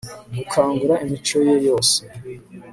Gukangura imico ye yose